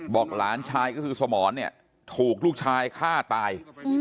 หลานชายก็คือสมรเนี่ยถูกลูกชายฆ่าตาย